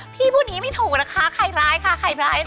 พี่พูดนี้ไม่ถูกนะคะใครร้ายค่ะใครร้าย